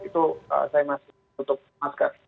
itu saya masih tutup masker